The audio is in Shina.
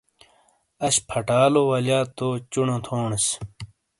اَش پھَٹالو وَلِیا تو چُونو تھونیس۔